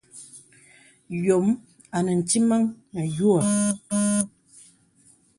Yōm anə ntìməŋ nə yuhə̀.